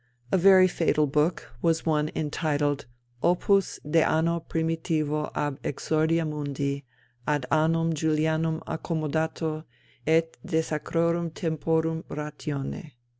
A very fatal book was one entitled _Opus de anno primitivo ab exordia mundi, ad annum Julianum accommodato, et de sacrorum temporum ratione.